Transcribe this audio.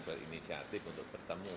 berinisiatif untuk bertemu